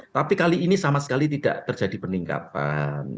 tapi kali ini sama sekali tidak terjadi peningkatan